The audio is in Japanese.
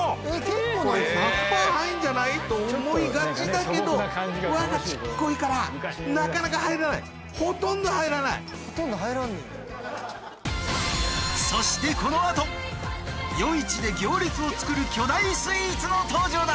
これ１００％入んじゃない？と思いがちだけど輪がちっこいからなかなか入らないほとんど入らないそしてこのあと夜市で行列を作る巨大スイーツの登場だ